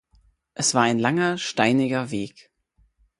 Es war ein langer, steiniger Weg.